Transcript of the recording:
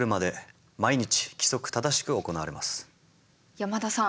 山田さん。